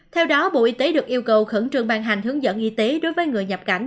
theo đó bộ y tế được yêu cầu khẩn trương bàn hành hướng dẫn y tế đối với người nhập cảnh